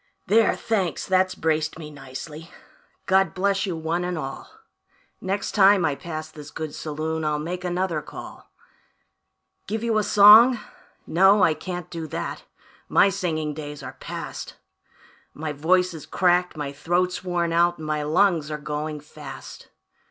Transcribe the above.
"There, thanks, that's braced me nicely; God bless you one and all; Next time I pass this good saloon I'll make another call. Give you a song? No, I can't do that; my singing days are past; My voice is cracked, my throat's worn out, and my lungs are going fast.